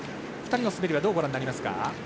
２人の滑りはどうご覧になりますか？